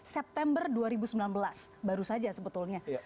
september dua ribu sembilan belas baru saja sebetulnya